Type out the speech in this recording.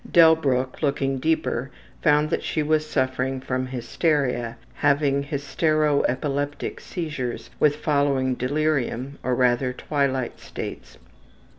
Delbruck, looking deeper, found that she was suffering from hysteria, having hystero epileptic seizures with following delirium, or rather twilight states.